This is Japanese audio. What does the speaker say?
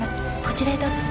こちらへどうぞ。